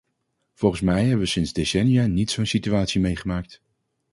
Volgens mij hebben we sinds decennia niet zo'n situatie meegemaakt.